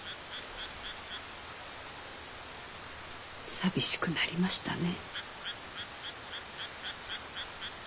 寂しくなりましたね。